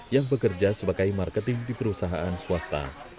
yang bekerja sebagai marketing di perusahaan swasta